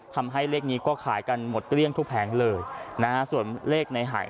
ทำให้เลขนี้ก็ขายกันหมดเกลี้ยงทุกแผงเลยนะฮะส่วนเลขในหาย